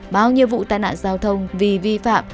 bao nhiêu vụ tai nạn giao thông vì vi phạm